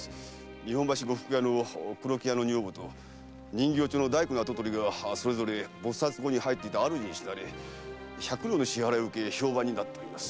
日本橋呉服屋の黒木屋の女房と人形町の大工の跡取りがそれぞれ菩薩講に入っていた主に死なれ百両の支払いを受け評判になっております。